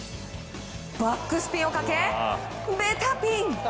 バックスピンをかけベタピン。